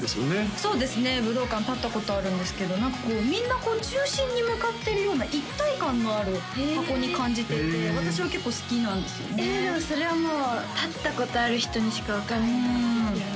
そうですね武道館立ったことあるんですけど何かみんなこう中心に向かっているような一体感のある箱に感じていて私は結構好きなんですよねえでもそれはもう立ったことある人にしか分からないですよね